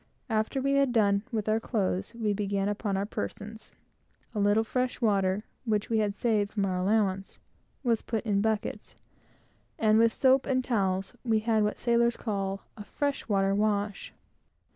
After we had done with our clothes, we began upon our own persons. A little fresh water, which we had saved from our allowance, was put in buckets, and with soap and towels, we had what sailors call a fresh water wash.